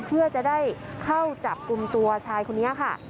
เพื่อจะได้เข้าจับกลุ่มตัวชายคนนี้ค่ะ